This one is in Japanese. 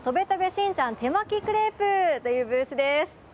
しんちゃん手巻きクレープ」というブースです。